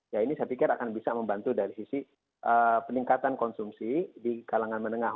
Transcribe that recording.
ya ini saya pikir akan bisa membantu dari sisi peningkatan konsumsi di kalangan menengah